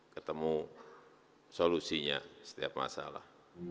ketemu solusinya setiap masalah